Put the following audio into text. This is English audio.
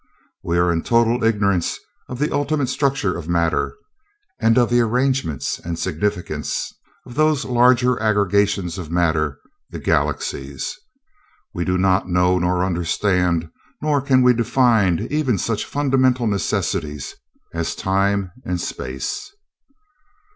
We are in total ignorance of the ultimate structure of matter, and of the arrangement and significance of those larger aggregations of matter, the galaxies. We do not know nor understand, nor can we define, even such fundamental necessities as time and space.